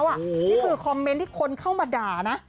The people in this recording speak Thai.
นี่คือคอมเมนต์ที่คนเข้ามาด่านะ